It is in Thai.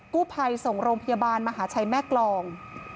กู้ภัยส่งโรงพยาบาลมหาชัยแม่กรอง